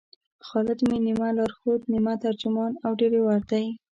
خالد مې نیمه لارښود، نیمه ترجمان او ډریور دی.